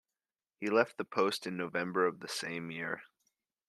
He left the post in November of the same year.